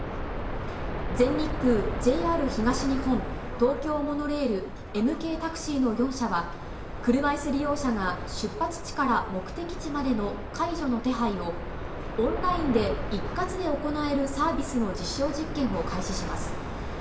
全日空、ＪＲ東日本、東京モノレール、ＭＫタクシーの４社は、車いす利用者が出発地から目的地までの介助の手配を、オンラインで一括で行えるサービスの実証実験を開始します。